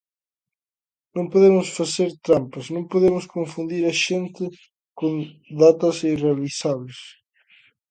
Non podemos facer trampas, non podemos confundir a xente con datas irrealizables.